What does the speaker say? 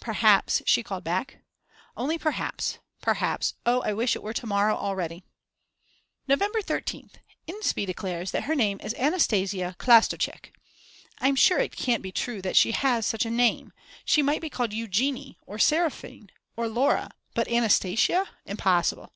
Perhaps, she called back. ... Only perhaps, perhaps, oh I wish it were to morrow already. November 13th. Inspee declares that her name is Anastasia Klastoschek. I'm sure it can't be true that she has such a name, she might be called Eugenie or Seraphine or Laura, but Anastasia, impossible.